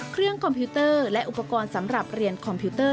คอมพิวเตอร์และอุปกรณ์สำหรับเรียนคอมพิวเตอร์